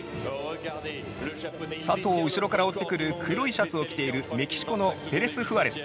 佐藤を後ろから追ってくる黒いシャツを着ているメキシコのペレス・フアレス。